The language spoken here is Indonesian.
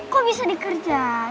kok bisa dikerjain